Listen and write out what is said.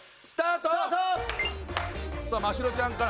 さあマシロちゃんから。